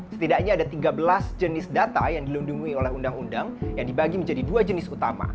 setidaknya ada tiga belas jenis data yang dilindungi oleh undang undang yang dibagi menjadi dua jenis utama